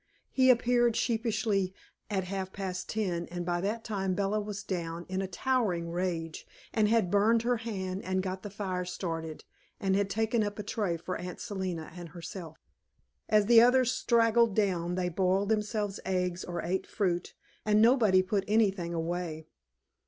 He appeared, sheepishly, at half past ten, and by that time Bella was down, in a towering rage, and had burned her hand and got the fire started, and had taken up a tray for Aunt Selina and herself. As the others straggled down they boiled themselves eggs or ate fruit, and nobody put anything away.